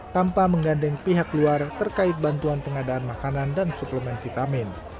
tanpa menggandeng pihak luar terkait bantuan pengadaan makanan dan suplemen vitamin